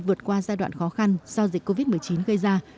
vượt qua giai đoạn khó khăn do dịch covid một mươi chín gây ra